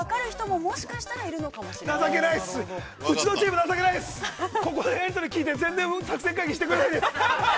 ここでのやりとり聞いて、全然作戦会議してくれない。